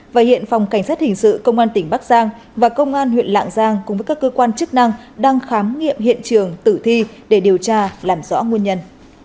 và hiện phòng cảnh sát hình sự công an tỉnh bắc giang và công an huyện lạng giang cùng với các cơ quan chức năng đang khám nghiệm hiện trường tử thi để điều tra làm rõ nguồn nhân